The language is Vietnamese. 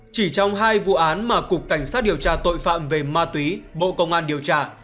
chỉ trong hai vụ án mà cục cảnh sát điều tra tội phạm về ma túy bộ công an điều tra